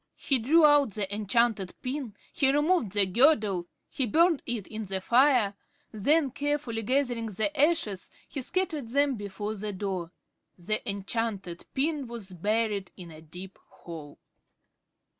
He drew out the enchanted pin. He removed the girdle. He burned it in the fire. Then, carefully gathering the ashes, he scattered them before the door. The enchanted pin was buried in a deep hole.